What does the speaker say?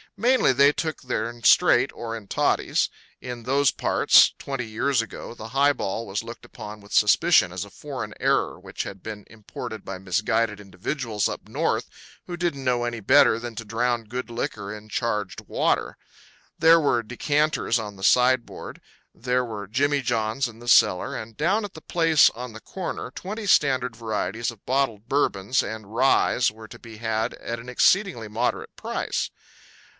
Mainly they took their'n straight or in toddies; in those parts, twenty years ago, the high ball was looked upon with suspicion as a foreign error which had been imported by misguided individuals up North who didn't know any better than to drown good liquor in charged water. There were decanters on the sideboard; there were jimmy johns in the cellar; and down at the place on the corner twenty standard varieties of bottled Bourbons and ryes were to be had at an exceedingly moderate price.